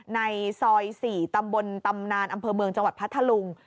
ในซอย๔ตำบลตำนานอำเภอเมืองจังหวัดพัทธลุง